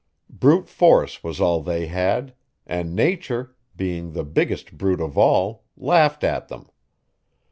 Brute force was all they had; and nature, being the biggest brute of all, laughed at them.